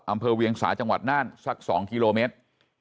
เวียงสาจังหวัดน่านสัก๒กิโลเมตร